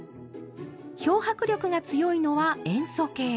漂白力が強いのは塩素系。